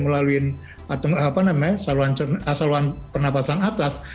melalui saluran pernapasan atas